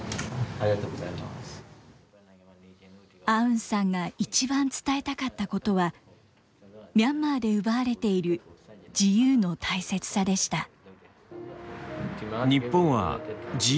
アウンさんが一番伝えたかったことは、ミャンマーで奪われている自由の大切さでした。